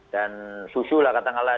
dan susu lah kata allah